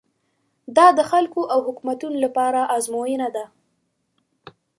دا د خلکو او حکومتونو لپاره ازموینه ده.